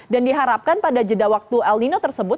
dan diharapkan pada jeda waktu el nino tersebut